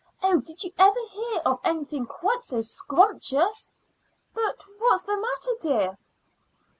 Oh, did you ever hear of anything quite so scrumptious? But what's the matter, dear?"